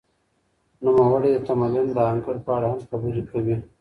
نوموړی د تمدن د انګړ په اړه هم خبري کوي.